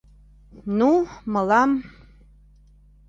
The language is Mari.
Ну, мылам...